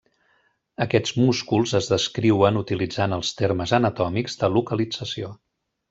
Aquests músculs es descriuen utilitzant els termes anatòmics de localització.